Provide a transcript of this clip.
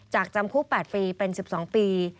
จำคุก๘ปีเป็น๑๒ปี